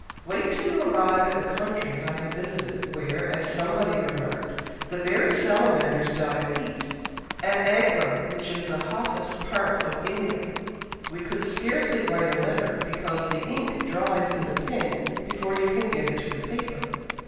"Wait till you arrive at the countries I have visited, where, as somebody remarked, the very salamanders die of heat. At Agra, which is the hottest part of India, we could scarcely write a letter, because the ink dries in the pen before you can get it to the paper.